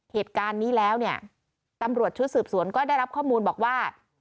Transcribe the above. เหตุการณ์นี้แล้วเนี่ยตำรวจชุดสืบสวนก็ได้รับข้อมูลบอกว่า